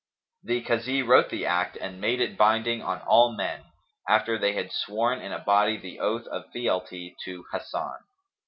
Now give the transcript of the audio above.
The Kazi wrote the act and made it binding on all men,[FN#276] after they had sworn in a body the oath of fealty to Hasan.